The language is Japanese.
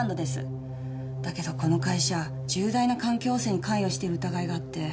だけどこの会社重大な環境汚染に関与してる疑いがあって。